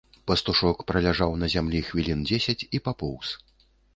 Пастушок праляжаў на зямлі хвілін дзесяць і папоўз.